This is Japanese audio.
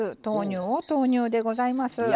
豆乳を投入でございます。